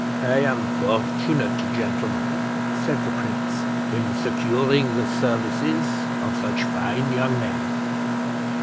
"I am fortunate, gentlemen," said the prince, "in securing the services of such fine young men.